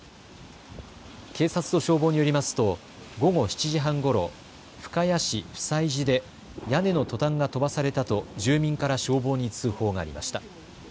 警察と消防によりますと午後７時半ごろ、深谷市普済寺で屋根のトタンが飛ばされたと住民から消防に通報がありました。